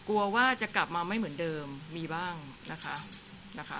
กลัวว่าจะกลับมาไม่เหมือนเดิมมีบ้างนะคะ